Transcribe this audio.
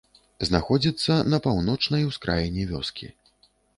Знаходзіцца на паўночнай ускраіне вёскі.